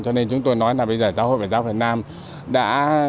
cho nên chúng tôi nói là bây giờ giáo hội phật giáo việt nam đã